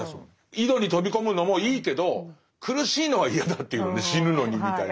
井戸に飛び込むのもいいけど苦しいのは嫌だっていうのね死ぬのにみたいな。